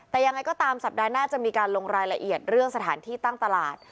แต่ยังไงก็ตามสัปดาห์หน้าจะมีการลงรายละเอียดเรื่องสถานที่ตั้งตลาด